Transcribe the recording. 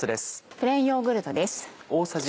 プレーンヨーグルトです。